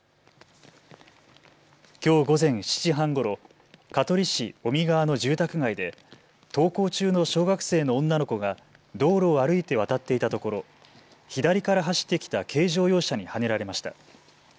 きょう午前７時半ごろ、香取市小見川の住宅街で登校中の小学生の女の子が道路を歩いて渡っていたところ左から走ってきた軽乗用車にはねられました。